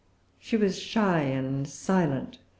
She was shy and silent.